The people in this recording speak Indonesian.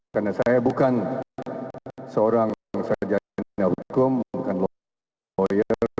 karena saya bukan seorang penajaman hukum bukan lawyer